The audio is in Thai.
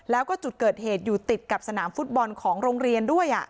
แล้วก็จุดเกิดเหตุอยู่ติดกับสนามฟุตบอลของโรงเรียนด้วย